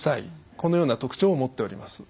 このような特徴を持っております。